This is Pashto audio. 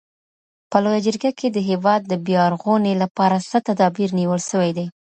په لویه جرګه کي د هیواد د بیارغوني لپاره څه تدابیر نیول سوي دي؟